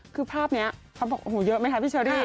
คือภาพเนี่ยเขาบอกโหเยอะหรือยักมั้ยคะพี่เชอรี่